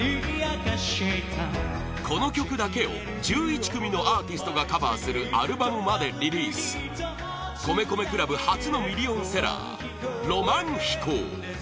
この曲だけを１１組のアーティストがカバーするアルバムまでリリース米米 ＣＬＵＢ 初のミリオンセラー「浪漫飛行」